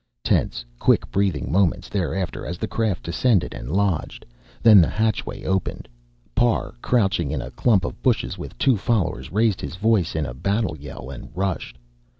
Tense, quick breathing moments thereafter as the craft descended and lodged. Then the hatchway opened. Parr, crouching in a clump of bushes with two followers, raised his voice in a battle yell, and rushed.